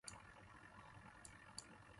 پُوݨوْ (ݜ۔ مذ۔ ص) لبا لب بھرا ہوا۔